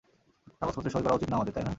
কাগজপত্রে সই করা উচিত না আমাদের, তাই না?